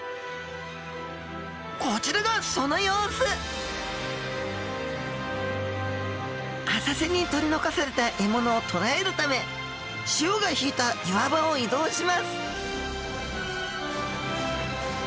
こちらがその様子浅瀬に取り残された獲物をとらえるため潮が引いた岩場を移動します